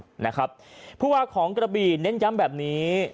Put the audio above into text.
เพราะว่าของกระบีเน้นย้ำแบบนี้